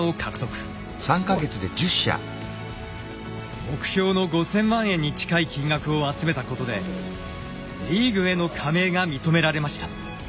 すごい。目標の５，０００万円に近い金額を集めたことでリーグへの加盟が認められました。